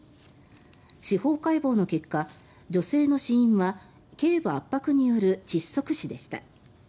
司法解剖の結果、女性の死因は頚部圧迫による窒息死でした。